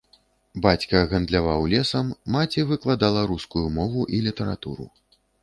Бацька гандляваў лесам, маці выкладала рускую мову і літаратуру.